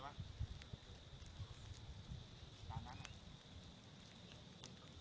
สวัสดี